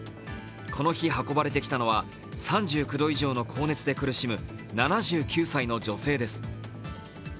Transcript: この日、運ばれてきたのは３９度以上の高熱で苦しむ７９歳の女性です。